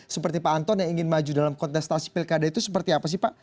seperti pak anton yang ingin maju dalam kontestasi pilkada itu seperti apa sih pak